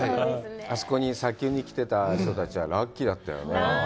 あそこの砂丘に来てた人たちは、ラッキーだったよね。